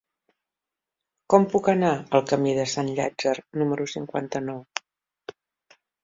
Com puc anar al camí de Sant Llàtzer número cinquanta-nou?